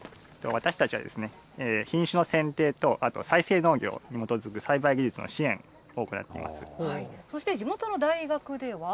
私たちはですね、品種の選定と、あと再生農業に基づく栽培技そして地元の大学では。